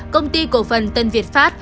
công ty cổ phần tân việt phát